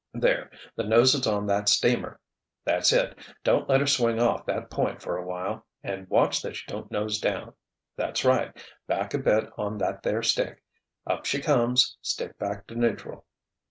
"There! The nose is on that steamer. That's it—don't let her swing off that point for awhile—and watch that you don't nose down—that's right, back a bit on that there stick, up she comes, stick back to neutral."